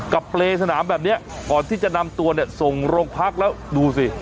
เปรย์สนามแบบนี้ก่อนที่จะนำตัวเนี่ยส่งโรงพักแล้วดูสิ